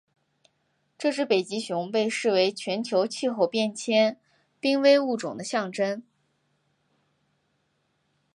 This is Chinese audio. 这只北极熊被视为全球气候变迁濒危物种的象征。